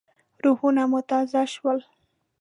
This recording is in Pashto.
روحونه مو تازه شول.